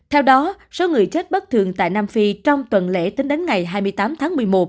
theo đó số người chết bất thường tại nam phi trong tuần lễ tính đến ngày hai mươi tám tháng một mươi một